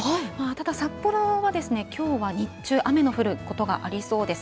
ただ札幌はきょうは日中雨の降ることがありそうです。